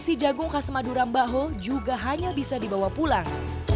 nasi jagung khas madura mbah ho juga hanya bisa dibawa pulang